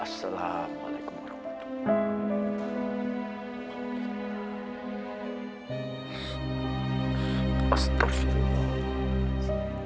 assalamualaikum warahmatullahi wabarakatuh